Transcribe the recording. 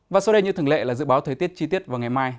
và sau đây như thường lệ là dự báo thời tiết chi tiết vào ngày mai